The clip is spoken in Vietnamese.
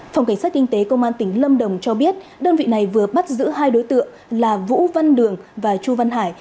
phòng cảnh sát kinh tế công an tỉnh lâm đồng cho biết đơn vị này vừa bắt giữ hai đối tượng là vũ văn đường và chu văn hải